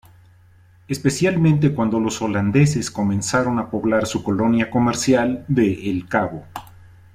Especialmente cuando los holandeses comenzaron a poblar su colonia comercial de El Cabo.